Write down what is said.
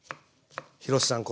廣瀬さん